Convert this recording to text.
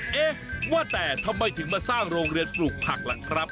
เอ๊ะว่าแต่ทำไมถึงมาสร้างโรงเรือนปลูกผักล่ะครับ